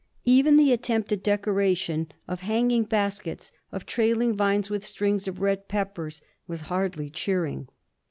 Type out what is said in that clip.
Even the attempt at decoration of hanging baskets, of trailing vines with strings of red peppers, was hardly cheering.